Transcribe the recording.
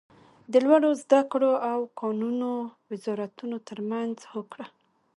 د لوړو ذده کړو او کانونو وزارتونو تر مینځ هوکړه